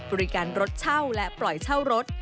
บริการรถเช่าและปล่อยเช่ารถ